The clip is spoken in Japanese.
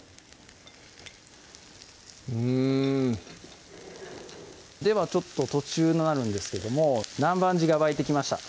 うんでは途中になるんですけども南蛮地が沸いてきました